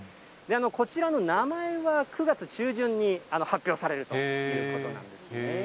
こちらの名前は、９月中旬に発表されるということなんですね。